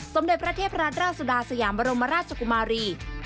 สมเดินประเทศพระราชราชสุดาสยามรมราชจกุมารี